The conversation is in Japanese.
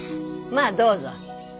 まあどうぞ。